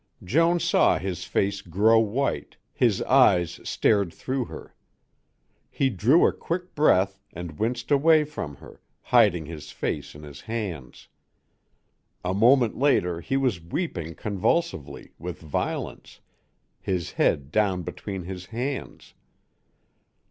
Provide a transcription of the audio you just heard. Joan saw his face grow white, his eyes stared through her. He drew a quick breath and winced away from her, hiding his face in his hands. A moment later he was weeping convulsively, with violence, his head down between his hands.